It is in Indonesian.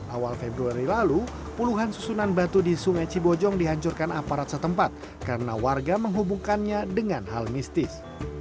awal februari lalu puluhan susunan batu di sungai cibojong dihancurkan aparat setempat karena warga menghubungkannya dengan hal mistis